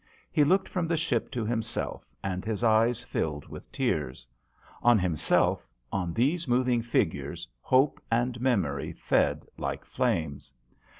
He looked from the ship to him self and his eyes filled with tears. On himself, on these moving figures, hope and memory fed like flames.